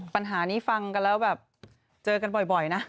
ปัญหานี้ฟังกันแล้วแบบเจอกันบ่อยนะ